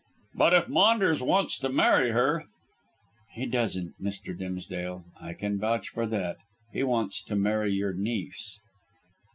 "But if Maunders wants to marry her " "He doesn't, Mr. Dimsdale. I can vouch for that. He wants to marry your niece."